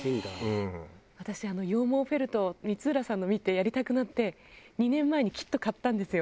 私羊毛フェルトを光浦さんの見てやりたくなって２年前にキット買ったんですよ。